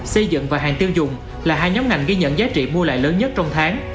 xây dựng và hàng tiêu dùng là hai nhóm ngành ghi nhận giá trị mua lại lớn nhất trong tháng